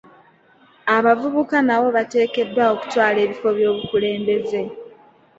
Abavubuka nabo bateekeddwa okutwala ebifo by'obukulembeze.